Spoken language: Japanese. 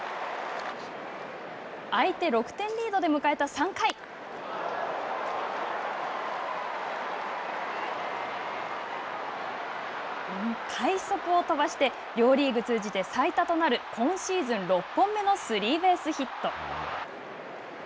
相手６点リードで迎えた３回快足を飛ばして両リーグ通じて最多となる今シーズン６本目のスリーベースヒット。